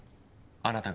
あなたが。